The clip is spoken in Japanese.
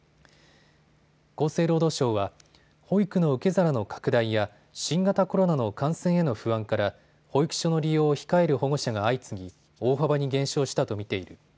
厚生労働省は保育の受け皿の拡大や新型コロナの感染への不安から保育所の利用を控える保護者が相次ぎ大幅に減少したと見ている。